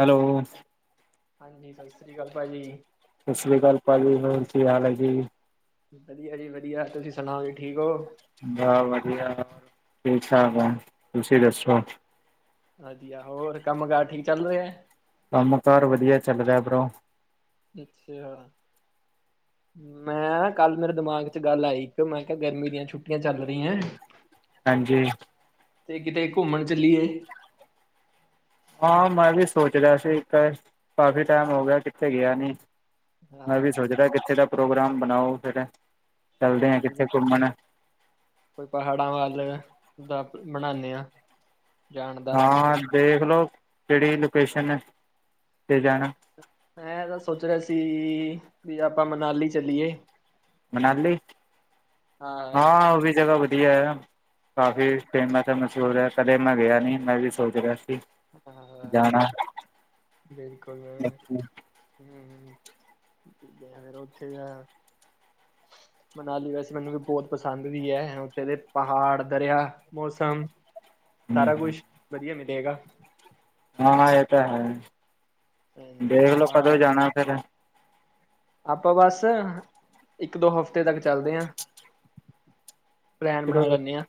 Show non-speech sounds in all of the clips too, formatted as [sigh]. Hello. ਹਾਂਜੀ ਸਤਿ ਸ਼੍ਰੀ ਅਕਾਲ ਭਾਜੀ। ਸਤਿ ਸ੍ਰੀ ਅਕਾਲ ਭਾਜੀ ਹੋਰ ਕੀ ਹਾਲ ਹੈ ਜੀ? ਵਧੀਆ ਜੀ ਵਧੀਆ ਤੁਸੀਂ ਸੁਣਾਓ ਜੀ ਠੀਕ ਹੋ। ਬ ਵਧੀਆ ਠੀਕ ਠਾਕ ਆ ਤੁਸੀਂ ਦੱਸੋ? ਵਧੀਆ ਹੋਰ ਕੰਮ ਕਾਰਜ ਠੀਕ ਚੱਲ ਰਿਹਾ। ਕੰਮ ਕਾਰ ਵਧੀਆ ਚੱਲ ਰਿਹਾ ਬਰੋ ਅੱਛਾ। ਮੈਂ ਕੱਲ ਮੇਰੇ ਦਿਮਾਗ ਚ ਗੱਲ ਆਈ ਇੱਕ ਮੈਂ ਕਿਹਾ ਗਰਮੀ ਦੀਆਂ ਛੁੱਟੀਆਂ ਚੱਲ ਰਹੀ ਹੈ। ਹਾਂਜੀ। ਤੇ ਕਿਤੇ ਘੁੰਮਣ ਚੱਲੀਏ ਹਾਂ, ਮੈ ਵੀ ਸੋਚ ਰਿਹਾ ਸੀ ਕਾਫੀ ਟਾਈਮ ਹੋ ਗਿਆ ਕਿਥੇ ਗਿਆ ਨੀ ਮੈ ਵੀ ਹਾਂ ਸੋਚਦਾ ਕਿਥੇ ਦਾ ਪ੍ਰੋਗਰਾਮ ਬਣਾਓ ਫਿਰ ਚੱਲਦੇ ਆ ਕਿੱਥੇ ਹਾਂਜੀ-ਹਾਂਜੀ ਘੁੰਮਣ ਕੋਈ ਪਹਾੜਾਂ ਵੱਲ ਦਾ ਬਣਾਦੇ ਹਾਂ। ਹਾਂ ਦੇਖ ਲਓ ਕਿਹੜੀ ਲੋਕੇਸ਼ਨ ਤੇ ਜਾਣਾ ਮੈਂ ਤਾਂ ਸੋਚ ਰਿਹਾ ਸੀ ਵੀ ਆਪਾਂ ਮਨਾਲੀ ਚੱਲੀਏ ਮਨਾਲੀ ਹਾਂ ਉਹ ਵੀ ਜਗ੍ਹਾ ਵਧੀਆ ਕਾਫੀ ਫੇਮਸ ਮਸ਼ਹੂਰ ਹੈ। ਕਦੇ ਮੈਂ ਗਿਆ ਨੀ ਮੈਂ ਵੀ ਸੋਚ ਰਿਹਾ ਸੀ। ਹਾਂ ਜਾਣਾ ਹੂੰ ਫਿਰ ਉਥੇ ਜਾ ਮਨਾਲੀ ਵੈਸੇ ਮੈਨੂੰ ਵੀ ਬਹੁਤ ਪਸੰਦ ਵੀ ਐ। ਉਥੇ ਦੇ ਪਹਾੜ ਦਰਿਆ ਮੌਸਮ ਸਾਰਾ ਕੁਛ ਵਧੀਆ ਮਿਲੇਗਾ। ਹਾਂ ਇਹ ਤਾਂ ਹੈ। ਹਾਂਜੀ ਦੇਖਲੋ ਕਦੋਂ ਪਹਾੜਾਂ ਜਾਣਾ ਫੇਰ ਆਪਾਂ ਬਸ ਇਕ ਦੋ ਹਫ਼ਤੇ ਤੱਕ ਚੱਲਦੇ ਹਾਂ। ਪਲੈਨ ਬਣਾ ਲੈਣੇ ਆ।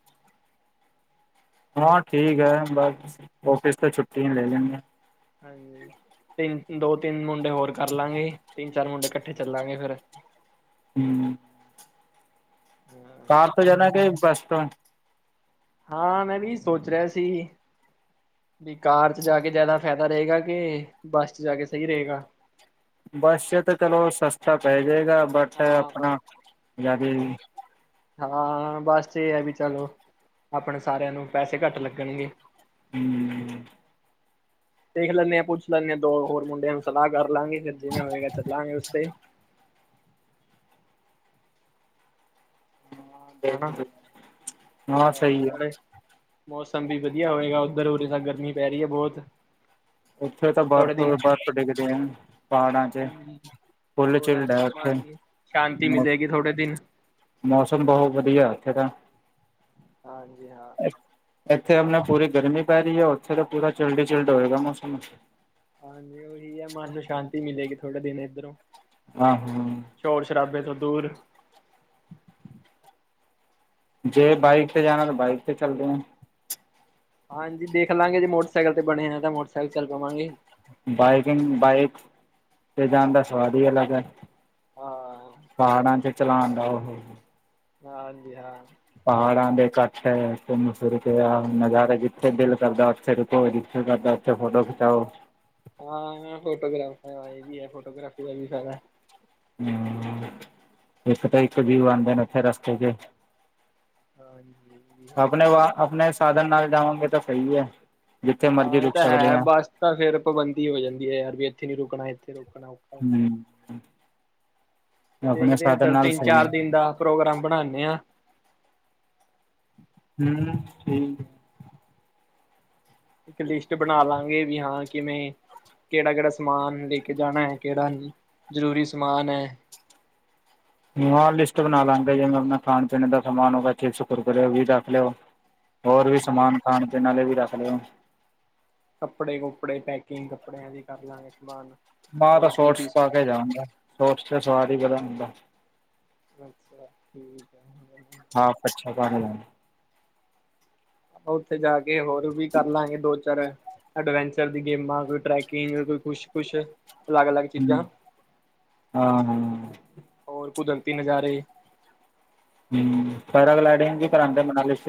ਹਾਂ ਠੀਕ ਹੈ। ਬਸ ਔਫਿਸ ਤੋਂ ਛੁੱਟੀ ਹੀ ਲੈ ਲੇਗੇ ਹਾਂਜੀ ਤਿੰਨ ਦੋ ਤਿੰਨ ਮੁੰਡੇ ਹੋਰ ਕਰ ਲਾਂਗੇ ਤਿੰਨ ਚਾਰ ਮੁੰਡੇ ਇਕੱਠੇ ਚੱਲਾਂਗੇ ਫੇਰ ਹੂੰ, ਹਾਂ ਕਾਰ ਤੋਂ ਜਾਣਾ ਠੀਕ, ਕਿ ਬੱਸ ਤੋਂ- ਹਾਂ ਮੈ ਵੀ ਸੋਚ ਰਿਹਾ ਸੀ। ਵੀ ਕਾਰ 'ਚ ਜਾ ਕੇ ਜ਼ਿਆਦਾ ਫਾਇਦਾ ਰਹੇਗਾ ਕਿ ਬੱਸ 'ਚ ਜਾ ਕੇ ਸਹੀ ਰਹੇਗਾ। ਬੱਸ ਤਾਂ ਚਲੋ ਸਸਤਾ ਪੈ ਜੇਗਾ ਬਟ ਹਾਂ ਆਪਣਾ ਯਾਰੀ ਹਾਂ ਬਸ ਚ ਇਹ ਐ। ਵੀ ਚਲੋ ਆਪਣੇ ਸਾਰਿਆਂ ਨੂੰ ਪੈਸੇ ਘੱਟ ਲੱਗਣਗੇ। ਹੂੰ, ਦੇਖ ਲੈਣੇ ਆ ਪੁੱਛ ਲੈਣੇ ਆ ਦੋ ਹੋਰ ਮੁੰਡਿਆਂ ਨੂੰ ਸਲਾਹ ਕਰ ਲਾਂਗੇ ਫੇਰ ਜਿਵੇ ਹੋਏਗਾ ਚੱਲਾਂਗੇ ਉਸਤੇ ਹਨਾ ਹਾਂ ਸਹੀ ਆ। ਮੌਸਮ ਵੀ ਵਧੀਆ ਹੋਵੇਗਾ ਉੱਧਰ' ਉਰੇ ਗਰਮੀ ਪੈ ਰਹੀ ਐ ਬਹੁਤ। ਉੱਥੇ ਤਾਂ ਥੋੜੇ ਦਿਨ ਬਰਫ਼-ਬਰਫ਼ ਡਿੱਗਦੇ ਹਨ ਪਹਾੜਾਂ ਚ। ਹੂੰ, ਫੁੱਲ ਥੋੜਾ ਝਿਲਡ ਹੈ ਉੱਥੇ ਮਨ ਸ਼ਾਂਤੀ ਮੌ ਮਿਲੇਗੀ ਥੋੜੇ ਦਿਨ। ਮੌਸਮ ਬਹੁਤ ਵਧੀਆ ਉੱਥੇ ਤਾਂ। ਹਾਂਜੀ ਹਾਂ। ਇੱਥੇ ਆਪਣੇ ਪੂਰੀ ਗਰਮੀ ਪੈ ਰਹੀ ਹੈ' ਉੱਥੇ ਪੂਰਾ ਚਿਲਡ ਹੀ ਚੀਲਡ ਹੋਏਗਾ ਮੌਸਮ। ਹਾਂਜੀ ਉਹੀ ਹੈ ਮਨ ਨੂੰ ਸ਼ਾਂਤੀ ਮਿਲੇਗੀ ਥੋੜੇ ਦਿਨ ਇੱਧਰੋਂ। ਹਾਂ ਹੂੰ। ਸ਼ੋਰ ਸ਼ਰਾਬੇ ਤੋਂ ਦੂਰ। ਜੇ ਬਾਈਕ ਤੇ ਜਾਣਾ ਤਾਂ ਬਾਈਕ ਤੇ ਚੱਲਦੇ ਆ। ਹਾਂਜੀ ਦੇਖ ਲਵਾਂਗੇ ਜੇ ਮੋਟਰਸਾਈਕਲ ਤੇ ਬਣੇਗਾ। ਤਾਂ ਮੋਟਰਸਾਈਕਲ ਚਲ ਪਾਵਾਂਗੇ। ਬਾਈਕਿੰਗ ਬਾਈਕ 'ਤੇ ਜਾਣ ਦਾ ਸਵਾਦ ਹੀ ਅਲੱਗ ਹੈ। ਹਾਂ ਪਹਾੜਾਂ 'ਚ ਚਲਾਣ ਦਾ ਉਹ ਹਾਂਜੀ ਹਾਂ- ਪਹਾੜਾਂ ਦੇੇ ਇਕੱਠ ਮੁ [unintelligible] ਨਜ਼ਾਰਾ ਜਿੱਥੇ ਦਿਲ ਕਰਦਾ ਉਥੇ ਰੁਕੋ, ਜੀ ਕਰਦਾ ਫੋਟੋ ਖਿਚਾਓ- ਹਾਂ ਫੋਟੋਗ੍ਰਾਫ ਇਹ ਵੀ ਹੈ। ਫੋਟੋਗ੍ਰਾਫੀ ਦਾ ਵੀ ਫਾਇਦਾ ਹੂੰ। ਇਕ ਤੇ ਇਕ ਵੀਊ ਆਉਦੇ ਨੇ ਉਥੇ ਰਸਤੇ 'ਚ- ਹਾਂਜੀ ਇਹ ਵੀ ਹੈ। ਆਪਣੇ ਵ ਆਪਣੇ ਸਾਧਨ ਨਾਲ ਜਾਉਗੇ ਤਾਂ ਸਹੀ ਹੈ। ਜਿੱਥੇ ਮਰਜ਼ੀ ਹਾਂ ਇਹ ਰੁਕ ਤਾਂ ਸਕਦੇ ਹੈ, ਹਾਂ ਬਸ ਤੇ ਫੇਰ ਪਾਬੰਦੀ ਹੋ ਜਾਂਦੀ ਹੈ। ਯਾਰ ਵੀ ਇਥੇ ਨੀ ਰੁਕਣਾ ਇਥੇ ਰੁਕਣਾ ਹੋ ਹਮ ਜਾਏਗਾ। [unintelligible] ਆਪਣੇ ਦੇਖਦੇ ਆ ਸਾਧਨ ਚੱਲ, ਨਾਲ ਸਹੀ ਹੈ ਤਿੰਨ-ਚਾਰ ਦਿਨ ਦਾ ਪ੍ਰੋਗਰਾਮ ਬਣਾਉਂਦੇ ਹਾਂ। ਹੂੰ ਠੀਕ- ਇੱਕ ਲਿਸਟ ਬਣਾ ਲਾਂਗੇ ਵੀ ਹਾਂ ਕਿਵੇਂ? ਕਿਹੜਾ-ਕਿਹੜਾ ਸਮਾਨ ਲੈ ਕੇ ਜਾਣਾ ਹੈ, ਕਿਹੜਾ ਜ਼ਰੂਰੀ ਸਮਾਨ ਹੈ? ਹਾਂ, ਲਿਸਟ ਬਣਾ ਲਾਂਗੇ ਜਿਵੇਂ ਆਪਣਾ ਖਾਣ-ਪੀਣ ਦਾ ਸਮਾਨ ਹੋ ਗਿਆ, ਚਿਪਸ, ਕੁਰਕੁਰੇ ਉਹ ਵੀ ਰੱਖ ਲਿਓ। ਹੋਰ ਵੀ ਹਾਂਜੀ ਸਮਾਨ, ਖਾਣ ਦੇ ਨਾਲੇ ਵੀ ਰੱਖ ਲਿਓ। ਕੱਪੜੇ-ਕੁਪੜੇ ਪੈਕਿੰਗ, ਕੱਪੜਿਆਂ ਦੀ ਕਰ ਲਾਂਗੇ, ਸਮਾਨ। ਮੈਂ ਤਾਂ ਹੋਰ ਜ਼ਰੂਰੀ ਸੋਟਸ ਪਾ ਕੇ ਜਾਾਂਗਾ, ਸੋਰਟਸ ਤੇ ਸਵਾਦ ਹੀ ਬੜਾ ਹੁੰਦਾ। ਅੱਛਾ, ਠੀਕ ਹੈ। ਹਾਂ, ਅੱਛਾ ਗ। [unintelligible] ਆਪਾਂ ਉੱਥੇ ਜਾ ਕੇ ਹੋਰ ਵੀ ਕਰ ਲਾਂਗੇ, ਦੋ ਚਾਰ। ਅਡਵੈਂਚਰ ਦੀ ਗੇਮਾਂ, ਕੋਈ ਟਰੈਕਿੰਗ, ਕੋਈ ਕੁਛ-ਕੁਛ। ਅਲੱਗ-ਅਲੱਗ ਚੀਜ਼ਾਂ, ਹੂੰ ਹਾਂ ਹਾਂ। ਹੋਰ ਕੁਦਰਤੀ ਨਜ਼ਾਰੇ। ਹਮ ਫਰਗ ਲ। [unintelligible]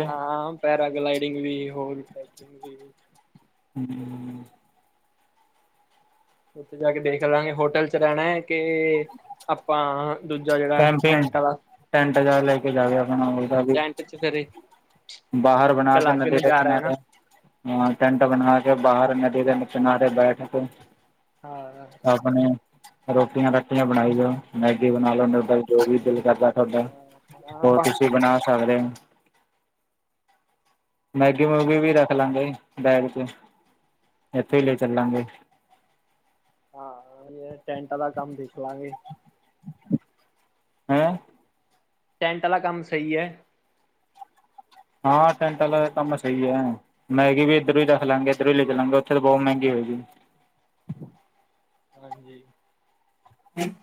ਹਾਂ, ਪੈਰਾਗਲਾਈਡਿੰਗ ਵੀ, ਹੋਰ ਟੈਕਿੰਗ ਵੀ। ਹਮ। [unintelligible] ਉੱਥੇ ਜਾ ਕੇ ਦੇਖ ਲਾਂਗੇ, ਹੋਟਲ 'ਚ ਰਹਿਣਾ ਹੈ ਕਿ ਆਪਾਂ। ਦੂਜਾ ਜਿਹੜਾ ਕੈਂਪਿੰਗ ਟੈਂਟ ਆਲਾ, ਟੈਂਟ ਜਾ ਲੈ ਕੇ ਜਾਵੇ ਆਪਣਾ ਉਹਦਾ ਹ ਵੀ ਟੈਂਟ 'ਚ ਫਰੇ। ਬਾਹਰ ਬਣਾ ਕੇ, ਨਦੀ ਦੇ ਕਿਨਾਰੇ। ਟੈਂਟ ਬਣਾ ਕੇ ਬਾਹਰ, ਨਦੀ ਦੇ ਕਿਨਾਰੇ ਬੈਠ ਕੇ। ਹਾਂ। ਆਪਣੇ ਰੋਟੀਆਂ-ਰਾਟੀਆਂ ਬਣਾਈ ਜਾਓ। ਮੈਗੀ ਬਣਾ ਲੋ, ਨਿਊਡਲ ਜੋ ਵੀ ਦਿਲ ਕਰਦਾ ਤੁਹਾਡਾ, ਹਾਂ ਉਹ ਆਪਾਂ ਤੁਸੀਂ ਬਣਾ ਸਕਦੇ ਹੋ। ਮੈਗੀ-ਮੂਗੀ ਵੀ ਰੱਖ ਲਾਂਗੇ, ਬੈਗ 'ਚ ਇੱਥੇ ਹੀ ਲੈ ਚੱਲਾਂਗੇ। ਹਾਂ, ਟੈਂਟ ਆਲਾ ਕੰਮ ਦੇਖ ਲਾਂਗੇ। ਹੈਂ। ਟੈਂਟ ਆਲਾ ਕੰਮ ਸਹੀ ਹੈ। ਹਾਂ, ਟੈਂਟ ਆਲਾ ਕੰਮ ਸਹੀ ਹੈ। ਮੈਗੀ ਵੀ ਇੱਧਰੋਂ ਹੀ ਰੱਖ ਲਾਂਗੇ, ਇੱਧਰੌ ਹੀ ਲੈ ਚਲਾਂਗੇ, ਉੱਥੇ ਤਾਂ ਬੋਤ ਮਹਿੰਗੀ ਹੋਗੀ। ਹਾਂਜੀ। ਹਮ [unintelligible]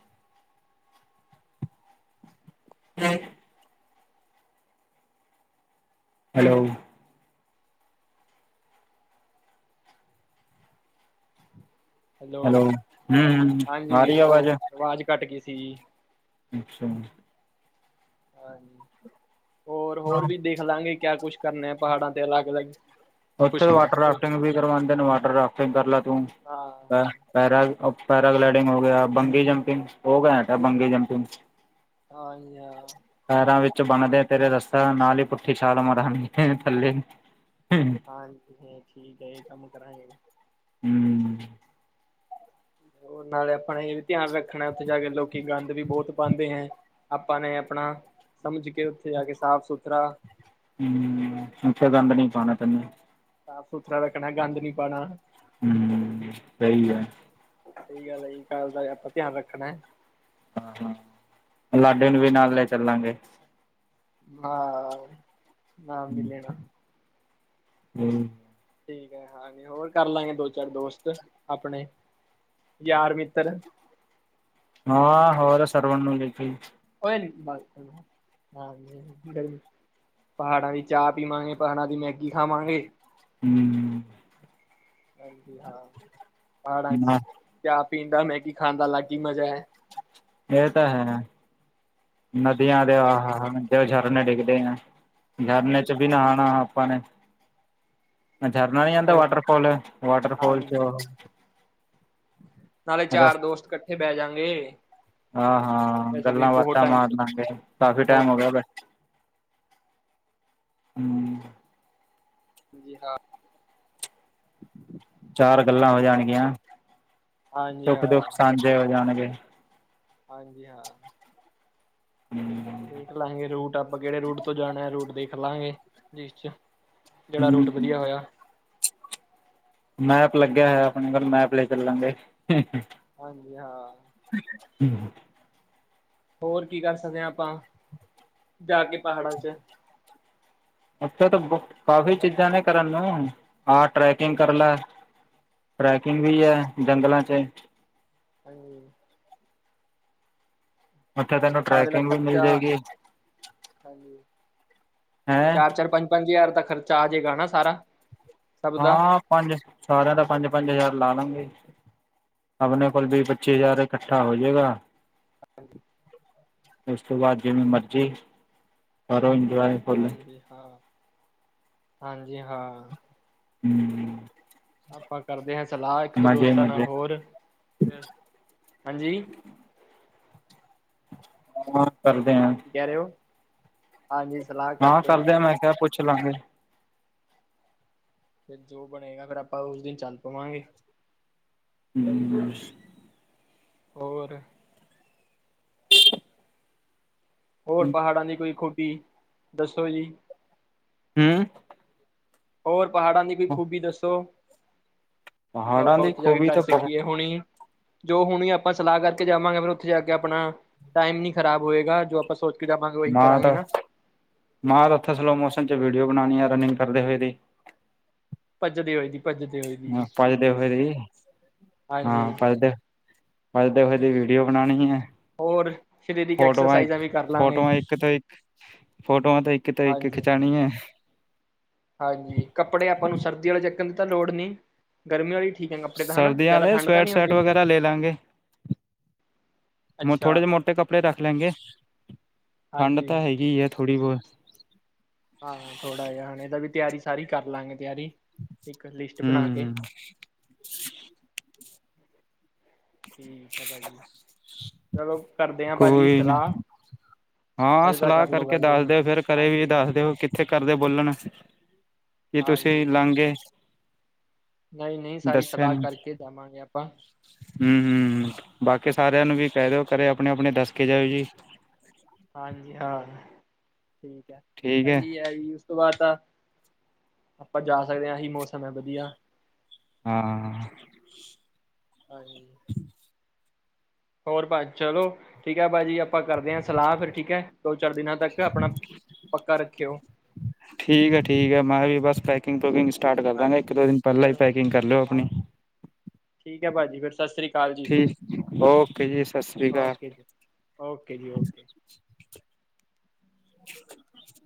ਜ [unintelligible] ਹੈਲੋ। ਹੈਲੋ, ਹਮ ਆ ਹਾਂਜੀ, ਰਹੀ ਆਵਾਜ਼ ਉਹ ਆਵਾਜ਼ ਘੱਟ ਗਈ ਸੀ ਜੀ। ਅੱਛਾ। ਹਾਂਜੀ। ਹੋਰ, ਹੋਰ ਵੀ ਦੇਖ ਲਾਂਗੇ, ਕਿਆ ਕੁਛ ਕਰਨਾ ਆ ਪਹਾੜਾਂ ਤੇ ਅਲੱਗ-ਅਲੱਗ ਉੱਥੇ ਵਾਟਰ ਰਾਫਟਿੰਗ ਵੀ ਕਰਵਾਉਂਦੇ ਨੇ, ਵਾਟਰ ਰਾਫਟਿੰਗ ਕਰ ਲੈ ਤੂੰ। ਹਾਂ ਪੈਰਾ - ਪੈਰਾਗਲਾਈਡਿੰਗ ਹੋ ਗਿਆ, ਬੰਗੀ ਜੰਪਿੰਗ ਹੋ ਗਿਆ, ਬੰਗੀ ਜੰਪਿੰਗ ਹਾਂਜੀ, ਹਾਂ। ਪੈਰਾਂ ਵਿੱਚ ਬਣਦੇ ਤੇਰੇ ਰਸਤਾ, ਨਾਲ ਹੀ ਪੁੱਠੀ ਛਾਲ ਮਾਰਾਂਗੇ ਥੱਲੇ। ਹਾਂਜੀ ਹ ਠੀਕ ਹੈਜੀ, ਇਹ ਕੰਮ ਕਰਾਂਗੇ। ਹੰ। ਓ ਨਾਲੇ ਆਪਣਾ ਇਹ ਵੀ ਧਿਆਨ ਰੱਖਣਾ ਉੱਥੇ ਜਾ ਕੇ ਲੋਕੀ ਗੰਦ ਵੀ ਬਹੁਤ ਪਾਦੇ ਹੈ। ਆਪਾਂ ਨੇ ਆਪਣਾ ਸਮਜ ਕੇ ਉੱਥੇ ਜਾ ਕੇ ਸਾਫ਼ ਸੁਥਰਾ ਹੂੰ ਓਥੇ ਗੰਦ ਨਈ ਪਾਨਾ ਤਨੇ। ਸਾਫ-ਸੁਥਰਾ ਰੱਖਣਾ ਗੰਦ ਨੀ ਪਾਣਾ। ਹੂੰ ਸਈ ਐ। ਸਹੀ ਗੱਲ ਆ ਜੀ ਕੱਲ ਦਾ ਆਪਾਂ ਧਿਆਨ ਰੱਖਣਾ ਹੈ। ਹਾਂ ਲਾਡੇ ਨੂੰ ਵੀ ਨਾਲ ਲੈ ਚੱਲਾਂਗੇ। ਹਾਂ ਨਾਮ ਨੀ ਲੈਣਾ। ਹੂੰ। ਠੀਕ ਐ ਹਾਂਜੀ ਹੋਰ ਕਰਲਾਂਗੇ ਦੋ-ਚਾਰ ਦੋਸਤ ਆਪਣੇ ਯਾਰ ਮਿੱਤਰ ਹਾਂ ਹੋਰ ਸਰਵਾਂ ਨੂੰ ਜਾ ਕੇ [unintelligible] ਪਹਾੜਾਂ ਦੀ ਚਾਹ ਪੀਵਾਂਗੇ ਪਹਾੜਾਂ ਦੀ ਮੈਗੀ ਖਾਵਾਂਗੇ। ਹੂੰ ਹਾਂਜੀ ਹਾਂ ਪਹਾੜਾਂ ਨਾ ਚਾਅ ਪੀਂਣਦਾ ਮੈਗੀ ਖਾਣ ਦਾ ਅਲੱਗ ਈ ਮਜ਼ਾ ਐ। ਇਹ ਤਾਂ ਹੈ ਨਦੀਆਂ ਦੇਵਾ ਹਨ। ਉਹ ਝਰਨੇ ਡਿੱਗਦੇ ਆ ਝਰਨੇ ਚ ਹਾਂਜੀ ਵੀ ਹਾਂ ਨਹਾਣਾ ਆਪਾਂ ਨੇ। ਝਰਨਾ ਨੀ ਆਦਾ ਹਾਂ ਵਾਟਰਫੋਲ ਵਾਟਰਫੋਲ ਹਾਂਜੀ ਚ ਨਾਲੇ ਚਾਰ ਦੋਸਤ ਕੱਠੇ ਬਹਿ ਜਾਂਗੇ। ਆਹ ਹਾਂ ਵੈਸੇ ਵੀ ਗੱਲਾਂ ਬਹੁਤ ਬਾਤਾਂ ਟਾਈਮ ਮਾਰ ਤੋਂ ਲਾਂਗੇ। ਕਾਫ਼ੀ ਬਹੁਤ ਟਾਈਮ ਹੋ ਗਿਆ [inaudible] ਬਸ ਹੂੰ ਹਾਂਜੀ ਹਾਂ। ਚਾਰ ਗੱਲਾਂ ਹੋ ਹਾਂ ਜਾਣਗੀਆਂ ਹਾਂਜੀ ਸੁੱਖ-ਦੁੱਖ ਹਾਂ ਸਾਂਝੇ ਹੋ ਜਾਣਗੇ। ਹਾਂਜੀ ਹਾਂ। ਹੂੰ ਖ ਲਾਂਗੇ ਰੂਟ ਆਪਾਂ ਕਿਹੜੇ ਰੂਟ ਤੋਂ ਜਾਣਾ ਰੂਟ ਦੇਖ ਲਾਂਗੇ ਜਿਸ ਚ ਜਿਹੜਾ ਰੂਟ ਹੂੰ, ਵਧੀਆ ਹੋਇਆ ਮੈਪ ਲੱਗਿਆ ਹੋਇਆ ਆਪਣੇ ਕੋਲ ਮੈਪ ਲੈ ਚੱਲਾਂਗੇ। ਹਾਂਜੀ ਹਾਂ। [unintelligible] ਹੋਰ ਕੀ ਕਰ ਸਕਦੇ ਆ ਆਪਾਂ ਜਾ ਕੇ ਪਹਾੜਾਂ ਚ? ਉੱਥੇ ਤਾਂ ਕਾਫੀ ਚੀਜ਼ਾਂ ਨੇ ਕਰਨ ਨੂੰ ਆਹ ਟਰੈਕਿੰਗ ਕਰ ਲੈ। ਟਰੈਕਿੰਗ ਵੀ ਐ ਜੰਗਲਾਂ ਚ। ਹਾਂਜੀ ਓਥੇ ਤੈਨੂੰ ਸਾਰੇ ਦਾ ਟਰੈਕਿੰਗ ਵੀ ਮਿਲ ਖਰਚਾ ਜਾਏਗੀ। ਹਾਂਜੀ, ਹੈਂ ਚਾਰ-ਚਾਰ ਪੰਜ-ਪੰਜ ਹਜ਼ਾਰ ਦਾ ਖਰਚਾ ਆ ਜਏਗਾ ਨਾ ਸਾਰਾ। ਸਭ ਦਾ ਹਾਂ ਪੰਜ ਸਾਰਿਆਂ ਦਾ ਪੰਜ-ਪੰਜ ਹਜ਼ਾਰ ਲਾ ਲਾਂਗੇ। ਆਪਣੇ ਕੋਲ ਵੀਹ ਪੱਚੀ ਹਜ਼ਾਰ ਇਕੱਠਾ ਹੋ ਜਏਗਾ। ਉਸ ਤੋਂ ਬਾਅਦ ਜਿਵੇਂ ਮਰਜ਼ੀ ਕਰੋ ਇੰਜੋਏ। ਫੁੱਲ ਹਾਂਜੀ ਹਾਂ-ਹਾਂਜੀ ਹਾਂ। ਹੂੰ ਆਪਾਂ ਕਰਦੇ ਹਾਂ ਸਲਾਹ ਇੱਕ ਦੋ ਮਜ਼ੇ ਦੋਸਤਾਂ ਨਾਲ ਮਜ਼ੇ ਹੋਰ ਫ ਹਾਂਜੀ ਕਰਦੇ ਆ ਕੀ ਕਿਅ ਓ? ਹਾਂਜੀ ਸਲਾ ਨਾ ਕਰਦੇ ਆਂ ਮੈਂ ਕਿਹਾ ਪੁੱਛ ਲਾਂਗੇ। ਫਿਰ ਜੋ ਬਣੇਗਾ ਫਿਰ ਆਪਾਂ ਉਸ ਦਿਨ ਚੱਲ ਪਵਾਂਗੇ। ਹੂੰ ਹੋਰ? ਹੋਰ ਪਹਾੜਾਂ ਦੀ ਕੋਈ ਖੁਬੀ ਦੱਸੋ ਜੀ? ਹੂੰ ਹੋਰ ਪਹਾੜਾਂ ਦੀ ਕੋਈ ਖੂਬੀ ਦੱਸੋ? ਲ ਪਹਾੜਾਂ ਪਾਓ ਦੀ ਓਥੇ ਜਾ ਕੇ ਖੂਬੀ ਕਰ ਤਾਂ ਬਹੁਤ ਸਕੀਏ ਹੁਣੀ। ਜੋ ਹੁਣ ਆਪਾਂ ਸਲਾਹ ਕਰਕੇ ਜਾਵਾਂਗੇ ਫਿਰ ਓਥੇ ਜਾ ਕੇ ਆਪਣਾ ਟਾਈਮ ਨੀ ਖਰਾਬ ਹੋਏਗਾ ਜੋ ਆਪਾਂ ਸੋਚ ਕੇ ਜਾਵਾਂਗੇ ਉਹੀ ਮਾਂ ਕਰਾਂਗੇ ਤਾਂ ਨਾ। ਮਾਂ ਤਾਂ ਓਥੇ ਸਲੋ ਮੋਸਨ 'ਚ ਵੀਡੀਓ ਬਣਾਣੀ ਆ ਰਨਿੰਗ ਕਰਦੇ ਹੋਏ ਦੀ। ਭੱਜਦੀ ਹੋਏ ਦੀ। ਭੱਜਦੇ ਹੋਏ ਹ ਦੀ ਠੀਕ ਭਜਦੇਓ ਹੈ ਜੀ, ਫ ਹਾਂਜੀ ਹਾਂ ਭਦੇਓ ਵਧਦੇ ਵਜਦੀ ਵੀਡੀਓ ਬਣਾਣੀ ਆ, ਹੋਰ ਸਰੀਰਕ ਫੋਟੋਆਂ ਐਕਸਰਸਾਈਜ਼ਾਂ ਇੱਕ ਵੀ ਕਰ ਲਾਂਗੇ, ਫੋਟੋਆਂ ਇੱਕ ਤੋਂ ਇੱਕ ਫੋਟੋਆਂ ਤਾਂ ਇੱਕ ਤੋਂ ਇੱਕ ਹਾਂਜੀ। ਖਿਚਾਣੀ ਐ। ਹਾਂਜੀ ਕੱਪੜੇ ਆਪਾਂ ਨੂੰ ਸਰਦੀ ਵਾਲੇ ਚੱਕਣ ਦੀ ਤਾਂ ਲੋੜ ਨਈ? ਗਰਮੀਆਂ ਵਾਲੀ ਠੀਕ ਐ ਕੱਪੜੇ ਤਾਂ ਹਨਾ ਸਰਦੀਆਂ ਜ਼ਿਆਦਾ ਆਲੇ ਠੰਢ ਤਾਂ ਸਵੈਟ ਨਈ ਸ਼ਰਟ ਹੁੰਦੀ? ਵਗੈਰਾ ਲੈ ਲਾਂਗੇ ਅੱਛਾ ਥੋੜੇ ਜਿ ਮੋਟੇ ਕੱਪੜੇ ਰੱਖ ਲੈਂਗੇ ਠੰਡ ਹਾਂਜੀ ਤਾਂ ਹੈਗੀ ਆ। ਥੋੜ੍ਹੀ ਬੋਹ ਹਾਂ ਥੋੜ੍ਹਾ ਜਿਹਾ ਹਣੇ ਇਹਦਾ ਵੀ ਤਿਆਰੀ ਸਾਰੀ ਕਰ ਲਵਾਂਗੇ ਤਿਆਰੀ, ਇੱਕ ਲਿਸਟ ਬਣਾ ਕੇ ਹਮ ਠੀਕ ਆ ਭਾਜੀ। ਚਲੋ ਕਰਦੇ ਆ ਭਾਜੀ ਕੋਈ ਨਾ ਸਲਾਹ ਹਾਂ ਹਜੇ ਤਾਂ ਸਲਾਹ ਕਰ ਲਓ ਕਰਕੇ ਗੱਲ ਦੋ ਦੱਸ ਮਿੰਟ ਦਿ ਫਿਰ ਕਰੇ ਵੀ ਹਾਂਜੀ ਦੱਸ ਦੱਸਦੇ ਹੋ ਕਿੱਥੇ ਕਰਦੇ ਬੋਲਣ ਕੀ ਤੁਸੀਂ ਲਾਂਗੇ ਨਈ-ਨਈ ਸਾਰੀ ਸਲਾਹ ਕਰਕੇ ਜਾਵਾਂਗੇ ਆਪਾਂ। ਹੂੰ-ਹੂੰ ਬਾਕੀ ਸਾਰਿਆਂ ਨੂੰ ਵੀ ਕਹਿ ਦਿਓ ਘਰੇ ਆਪਣੇ -ਆਪਣੇ ਦੱਸ ਕੇ ਜਾਇਓ ਜੀ। ਹਾਂਜੀ ਹਾਂ ਠੀਕ ਐ, ਅਹੀ ਐ ਓਸ ਤੋਂ ਬਾਅਦ ਤਾਂ ਆਪਾਂ ਜਾ ਸਕਦੇ ਆਹੀ ਮੌਸਮ ਆ ਵਧੀਆ। ਹਾਂ ਹਾਂਜੀ। ਹੋਰ ਭਾ ਚਲੋ ਠੀਕ ਹੈ ਭਾਜੀ ਆਪਾਂ ਕਰਦੇ ਆ ਸਲਾਹ ਫਿਰ ਠੀਕ ਐ ਦੋ ਚਾਰ ਦਿਨਾਂ ਤੱਕ ਆਪਣਾ ਪੱਕਾ ਰੱਖਿਓ। ਠੀਕ ਐ, ਠੀਕ ਐ ਮੈਂ ਵੀ ਬਸ ਪੈ ਪਕਿੰਗ ਪਕਿੰਗ ਸਟਾਰਟ ਕਰ ਦਾਂਗਾ ਇੱਕ ਹਾਂਜੀ ਦੋ ਦਿਨ ਪਹਿਲਾਂ ਈ ਚਲੋ ਪੈਕਿੰਗ ਕਰ ਲਿਓ ਆਪਣੀ। ਹਾਂਜੀ ਠੀਕ ਭਾਜੀ ਫ ਸਿ੍ਰੀਕ ਠੀਕ ਓਕੇ ਜੀ ਸਤਿ ਸ਼੍ਰੀ ਅਕਾਲ। ਓਕੇ ਜੀ ਓਕੇ ਜੀ ਓਕੇ। [inaudible]